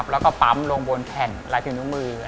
แล้วก็ปั๊มลงบนแผ่นลายฝีนิ้วมือ